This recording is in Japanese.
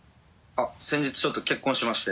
先日ちょっと結婚しまして。